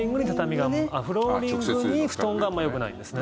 フローリングに布団があまりよくないんですね。